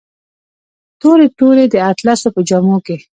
تورې، تورې د اطلسو په جامو کې